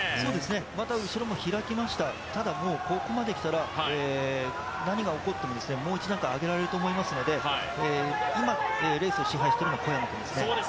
また後ろも開きました、ただ、もうここまで来たら、何が起こってももう一段階上げられると思いますので今、レースを支配しているのは小山君ですね。